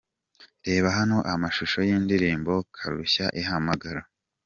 Reba hano amashusho y'indirimbo 'Karushya ihamagara'.